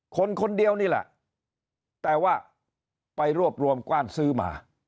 คนคนเดียวนี่แหละแต่ว่าไปรวบรวมกว้านซื้อมา